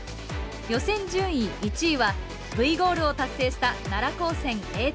予選順位１位はＶゴールを達成した奈良高専Ａチーム。